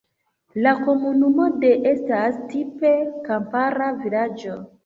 La komunumo do estas tipe kampara vilaĝo.